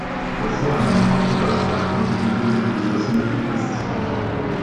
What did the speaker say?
Bei so einem Spottpreis fragt man sich natürlich, wie das möglich ist.